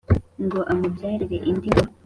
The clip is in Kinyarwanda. Ngo amubyarire indi Nkura,